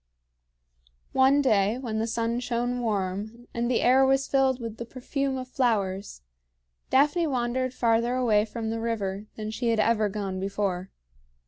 One day when the sun shone warm, and the air was filled with the perfume of flowers, Daphne wandered farther away from the river than she had ever gone before.